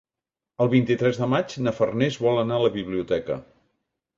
El vint-i-tres de maig na Farners vol anar a la biblioteca.